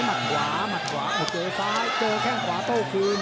หมัดขวาหมัดขวาหมดโดยซ้ายเจ้าแข้งขวาโต้คืน